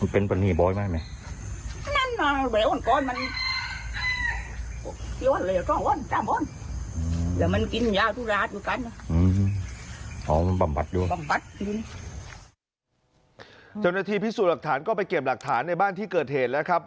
เจ้าหน้าที่พิสูจน์หลักฐานก็ไปเก็บหลักฐานในบ้านที่เกิดเหตุแล้วครับ